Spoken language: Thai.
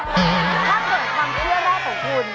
ถ้าเกิดความเชื่อแรกของคุณ